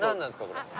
これ。